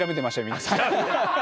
皆さん。